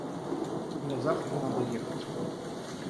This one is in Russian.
Мне завтра надо ехать.